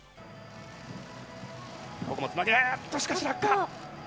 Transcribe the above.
ここもつなぐ、しかし落下。